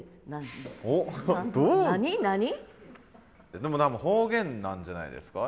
でも方言なんじゃないですか。